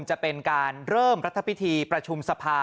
จะเป็นการเริ่มรัฐพิธีประชุมสภา